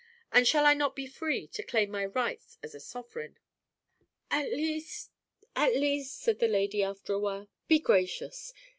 And shall I not be free to claim my rights as a sovereign?" "At least at least," said the lady after a while, "be gracious.